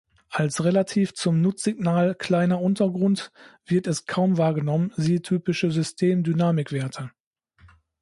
Als relativ zum Nutzsignal kleiner Untergrund wird es kaum wahrgenommen, siehe typische System-Dynamikwerte.